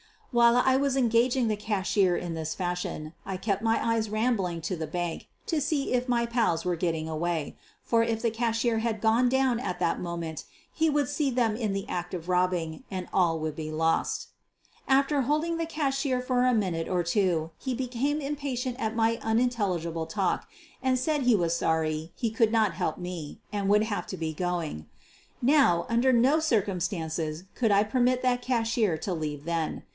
"While I was engaging the cashier in this fashion, I kept my eyes rambling to the bank to see if my pals were getting away, for if the cashier had gone down at that moment he would see them in the act of robbing, and all would be lost. After holding the cashier for a minute or two, he became impatient at my unintelligible talk and said he was sorry he could not help me and would have to be going. Now, under no circumstances could I permit that cashier to leave then.